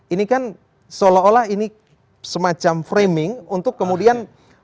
ini kan seolah olah ini semacam framing untuk kemudian